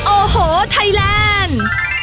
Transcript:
โอ้โหไทยแลนด์